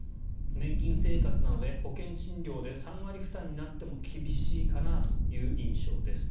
年金生活なので保険診療で３割負担になっても厳しいかなという印象です。